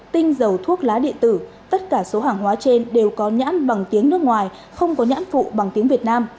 tinh dầu thuốc lá điện tử tất cả số hàng hóa trên đều có nhãn bằng tiếng nước ngoài không có nhãn phụ bằng tiếng việt nam